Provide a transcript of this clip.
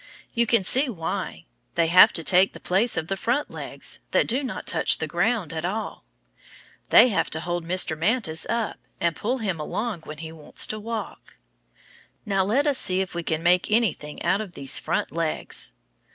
You can see why. They have to take the place of the front legs, that do not touch the ground at all. They have to hold Mr. Mantis up, and pull him along when he wants to walk. Now, let us see if we can make anything out of these front legs.